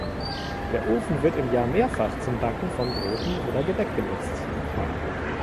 Der Ofen wird im Jahr mehrfach zum Backen von Broten oder Gebäck genutzt.